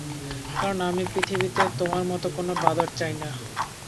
কারণ আমি আমার পৃথিবীতে তোমার মতো কোনো বাঁদর চাই না।